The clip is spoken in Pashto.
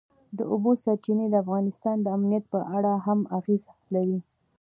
د اوبو سرچینې د افغانستان د امنیت په اړه هم اغېز لري.